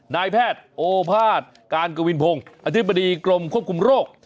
นายแพทย์โอภาษย์การกวินพงศ์อธิบดีกรมควบคุมโรค